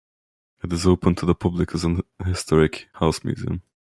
It is open to the public as an historic house museum.